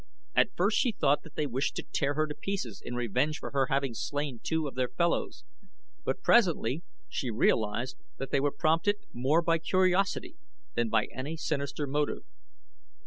At first she thought that they wished to tear her to pieces in revenge for her having slain two of their fellows, but presently she realized that they were prompted more by curiosity than by any sinister motive.